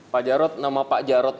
pak jarod nama pak jarod